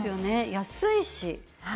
安いし。